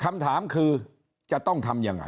คำถามคือจะต้องทำยังไง